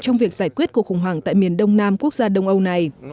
trong việc giải quyết cuộc khủng hoảng tại miền đông nam quốc gia đông âu này